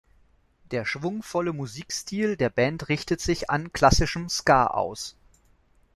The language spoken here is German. Der schwungvolle Musikstil der Band richtet sich an klassischem Ska aus.